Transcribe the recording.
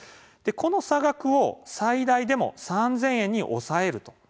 この差額を最大でも３０００円に抑えると。